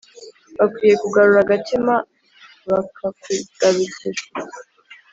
Bakwiye kugarura agatima bakakugarukira